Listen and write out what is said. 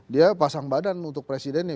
dia pasang badan untuk presidennya